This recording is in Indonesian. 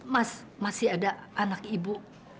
mas masih ada anak ibu